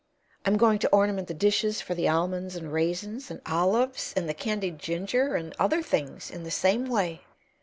I'm going to ornament the dishes for the almonds and raisins and olives and the candied ginger and other things in the same way.